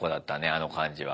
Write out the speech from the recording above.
あの感じは。